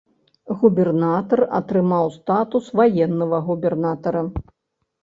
Губернатар атрымаў статус ваеннага губернатара.